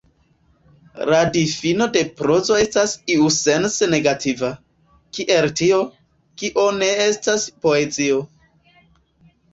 La difino de prozo estas iusence negativa, kiel tio, kio ne estas poezio.